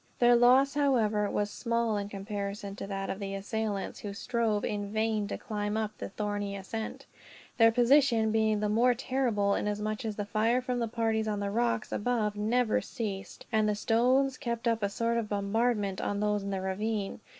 Their loss, however, was small in comparison to that of the assailants; who strove, in vain, to climb up the thorny ascent, their position being the more terrible inasmuch as the fire from the parties on the rocks above never ceased, and stones kept up a sort of bombardment on those in the ravine.